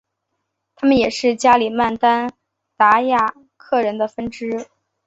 他们也是加里曼丹达雅克人的分支。